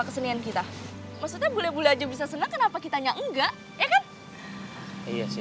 kesenian kita maksudnya boleh boleh aja bisa senang kenapa kitanya enggak ya kan iya sih